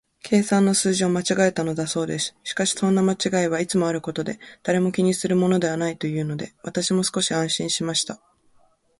計算の数字を間違えたのだそうです。しかし、そんな間違いはいつもあることで、誰も気にするものはないというので、私も少し安心しました。